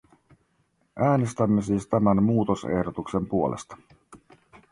Äänestämme siis tämän muutosehdotuksen puolesta.